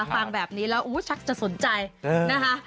ฟังแบบนี้แล้วชักจะสนใจนะคะ